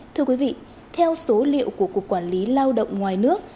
thưa quý vị theo số liệu của cục quản lý lao động ngoài nước